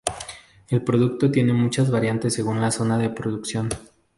El producto tiene muchas variantes según la zona de producción.